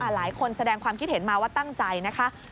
แสดงความคิดเห็นมาว่าตั้งใจนะคะ